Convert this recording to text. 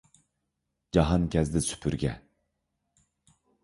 جاھانكەزدى سۈپۈرگە